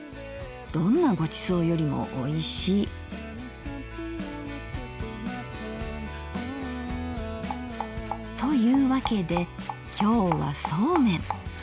どんなご馳走よりもおいしい」。というわけで今日はそうめん。